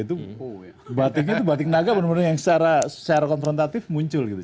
itu batiknya itu batik naga bener bener yang secara konfrontatif muncul gitu